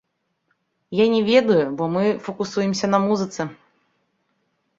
Я не ведаю, бо мы факусуемся на музыцы.